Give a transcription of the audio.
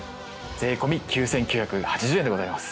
税込９，９８０円でございます。